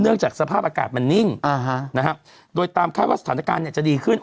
เนื่องจากสภาพอากาศมันนิ่งนะครับโดยตามค่าว่าสถานการณ์จะดีขึ้น